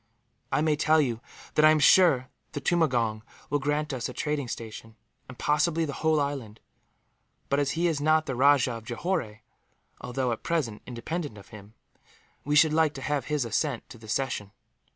I may tell you that I am sure the tumangong will grant us a trading station, and possibly the whole island; but as he is not the Rajah of Johore, although at present independent of him, we should like to have his assent to the cession.